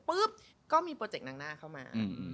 ปุ๊บก็มีโปรเจกต์นางหน้าเข้ามา